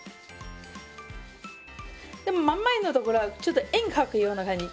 でも真ん前の所はちょっと円描くような感じ。